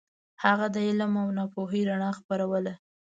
هغه د علم او پوهې رڼا خپروله.